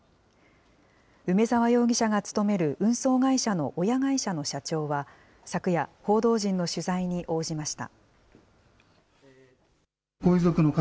梅澤容疑者が勤める運送会社の親会社の社長は、昨夜、報道陣の取材に応じました。